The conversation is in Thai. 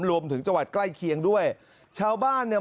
จังหวัดใกล้เคียงด้วยชาวบ้านเนี่ย